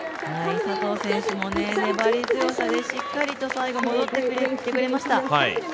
佐藤選手も粘り強さでしっかりと最後戻ってきてくれました。